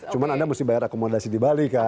cuma anda mesti bayar akomodasi di bali kak